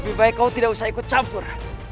lebih baik kau tidak usah ikut campur